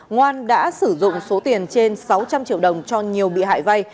ngoan đã sử dụng số tiền trên sáu trăm linh triệu đồng cho nhiều bị hại vay